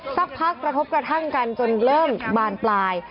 สักพักกระทบกระทั่งกันจนเริ่มบานปลาย